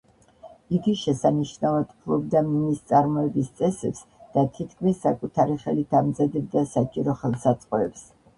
იგი შესანიშნავად ფლობდა მინის წარმოების წესებს და თითქმის საკუთარი ხელით ამზადებდა საჭირო ხელსაწყოებს.